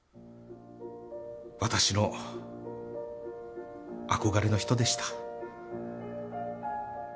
私の憧れの人でした。